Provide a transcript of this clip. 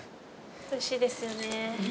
おいしいですよね。